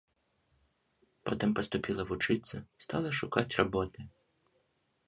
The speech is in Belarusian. Потым паступіла вучыцца, стала шукаць работы.